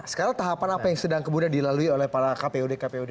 sekarang tahapan apa yang sedang kemudian dilalui oleh para kpud kpud